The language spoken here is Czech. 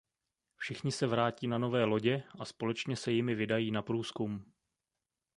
Všichni se vrátí na nové lodě a společně se jimi vydají na průzkum.